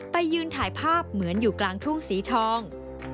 ไปยืนถ่ายภาพเหมือนอยู่กลางทุ่งสีทอง